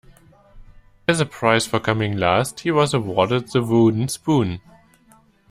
As a prize for coming last, he was awarded the wooden spoon.